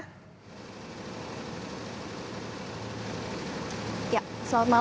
peningkatan di gerbang tol cikatama dan nanda aprilia di tol cipali